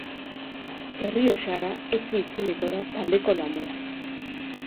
Errioxarra etzi itzuliko da taldeko lanera.